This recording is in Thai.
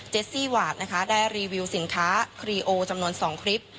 ซี่หวาดนะคะได้รีวิวสินค้าครีโอจำนวน๒คลิป